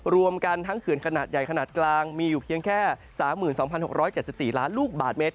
รวมกันทั้งเขื่อนขนาดใหญ่ขนาดกลางมีอยู่เพียงแค่๓๒๖๗๔ล้านลูกบาทเมตร